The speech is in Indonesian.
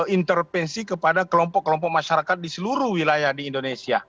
intervensi kepada kelompok kelompok masyarakat di seluruh wilayah di indonesia